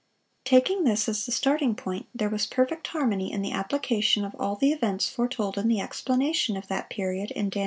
Taking this as the starting point, there was perfect harmony in the application of all the events foretold in the explanation of that period in Dan.